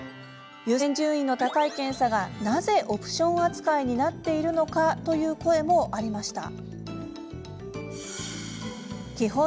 優先順位の高い検査がなぜオプション扱いになっているのか？という声もありました。